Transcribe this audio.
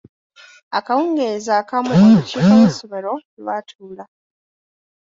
Akawungeezi akamu olukiiko lw'essomero lwatuula.